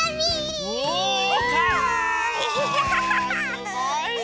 すごいね！